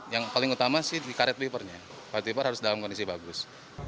yang paling utama sih di karet wipernya karet wiper harus dalam kondisi bagus